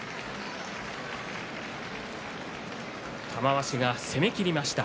玉鷲が攻めきりました。